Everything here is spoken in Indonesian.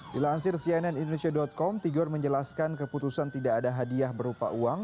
dilansir cnn indonesia com tigor menjelaskan keputusan tidak ada hadiah berupa uang